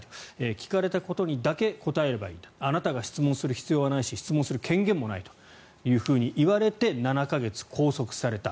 聞かれたことにだけ答えればいいんだあなたが質問する必要はないし質問する権限もないと言われて７か月、拘束された。